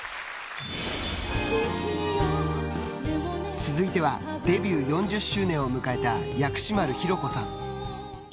続いてはデビュー４０周年を迎えた薬師丸ひろ子さん。